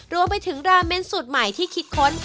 รวมไปถึงราเมนสูตรใหม่ที่คิดค้น